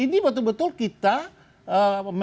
ini betul betul kita membela agama